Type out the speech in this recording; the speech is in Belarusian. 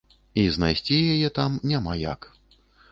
І знайсці яе там няма як.